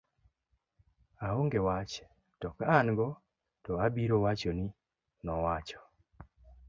aonge wach to ka an go to abiro wachoni, nowacho